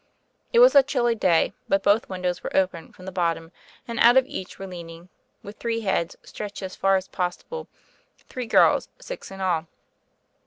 It was a chilly day; but both windows were open from the bottom, and out of each were leaning, with their heads stretched as far as possible, three girls — six in all.